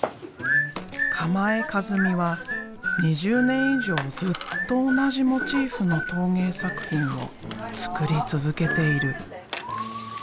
鎌江一美は２０年以上ずっと同じモチーフの陶芸作品を作り続けている。